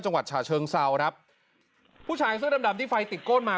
ฉะเชิงเซาครับผู้ชายเสื้อดำดำที่ไฟติดก้นมา